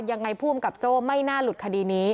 ยังไงผู้กำกับโจ้ไม่น่าหลุดคดีนี้